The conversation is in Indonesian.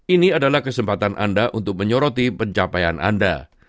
ini adalah kesempatan anda untuk menyoroti pencapaian anda